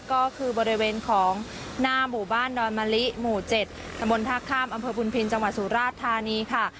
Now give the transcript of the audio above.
ก็คือบริเวณของหน้าหมู่บ้านดอนมะลิหมู่๗ตะบนท่าข้ามอำเภอบุญพินจังหวัดสุราชธานีค่ะ